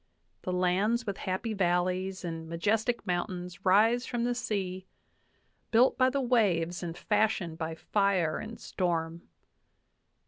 The lands with happy valleys and majestic mountains rise from the sea, built by the waves and fashioned by fire and storm.